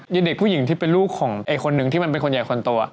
เด็กผู้หญิงที่เป็นลูกของอีกคนนึงที่มันเป็นคนใหญ่คนโต